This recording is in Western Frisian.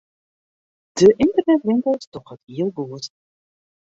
De ynternetwinkels dogge it heel goed.